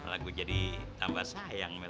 kalo aku jadi tambah sayang sama lu